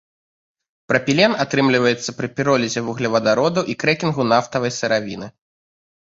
Прапілен атрымліваецца пры піролізе вуглевадародаў і крэкінгу нафтавай сыравіны.